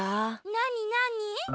なになに？